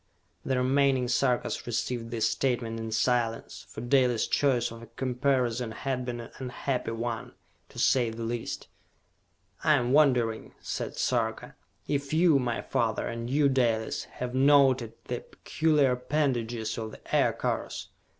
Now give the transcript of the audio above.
"The remaining Sarkas received this statement in silence, for Dalis' choice of a comparison had been an unhappy one, to say the least. "I am wondering," said Sarka, "if you, my father, and you Dalis, have noted the peculiar appendages of the Aircars?"